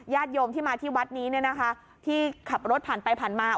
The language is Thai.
โยมที่มาที่วัดนี้เนี่ยนะคะที่ขับรถผ่านไปผ่านมา